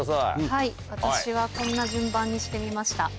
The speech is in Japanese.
はい私はこんな順番にしてみました。